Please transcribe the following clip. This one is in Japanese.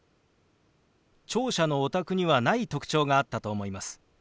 聴者のお宅にはない特徴があったと思います。